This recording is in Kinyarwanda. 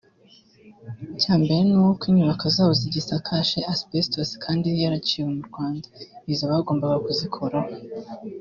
Icya mbere ni uko inyubako zabo zigisakaje asbestos kandi yaraciwe mu Rwanda; izo bagombaga kuzikuraho